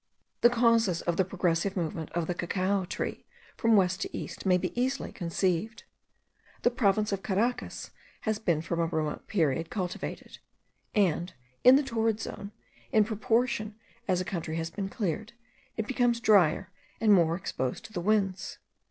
The causes of the progressive movement of the cacao tree from west to east may be easily conceived. The province of Caracas has been from a remote period cultivated: and, in the torrid zone, in proportion as a country has been cleared, it becomes drier and more exposed to the winds.